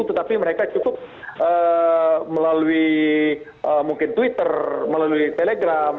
tetapi mereka cukup melalui mungkin twitter melalui telegram